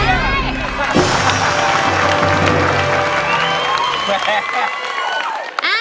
เพลงที่๒มาเลยครับ